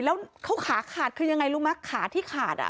แล้วเขาขาขาดคือยังไงรู้มั้ยขาที่ขาด